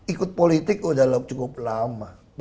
ikut politik udah cukup lama